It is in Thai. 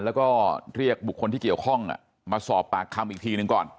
แล้วก็เรียกบุคคลที่เกี่ยวข้องมาสอบปากคำอีกทีหนึ่งก่อน